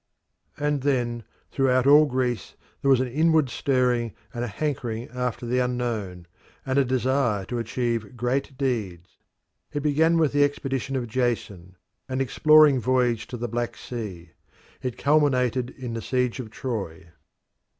And then throughout all Greece there was an inward stirring and a hankering after the unknown, and a desire to achieve great deeds. It began with the expedition of Jason an exploring voyage to the Black Sea; it culminated in the siege of Troy.